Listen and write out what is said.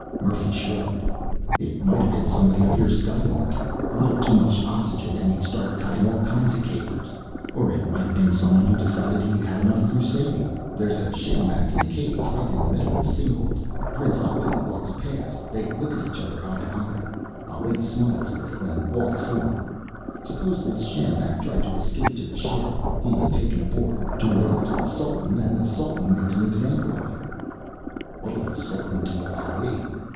Murphy shrugged. "It might have been somebody up here skylarking. A little too much oxygen and you start cutting all kinds of capers. Or it might have been someone who decided he had enough crusading. "There's a sjambak in a cage, right in the middle of Singhalût. Prince Ali walks past; they look at each other eye to eye. Ali smiles a little and walks on. Suppose this sjambak tried to escape to the ship. He's taken aboard, turned over to the Sultan and the Sultan makes an example of him...." "What'll the Sultan do to Ali?"